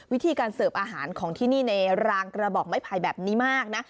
วิธีการเสิร์ฟอาหารของที่นี่ในรางกระบอกไม้ไผ่แบบนี้มากนะ